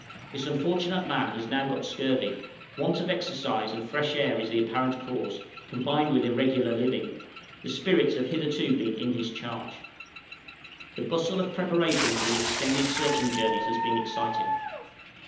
This unfortunate man has now got scurvy; want of exercise and fresh air is the apparent cause, combined with irregular living; the spirits have hitherto been in his charge. {PREPARATION OF SLEDGE PARTIES.} The bustle of preparation for the extended searching journeys has been exciting.